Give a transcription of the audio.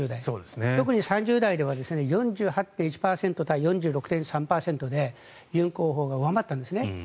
特に３０代では４８．１％対４６．３％で尹候補が上回ったんですね。